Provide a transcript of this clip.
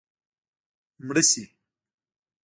مړه شي